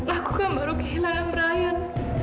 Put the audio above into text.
aku kan baru kehilangan perayaan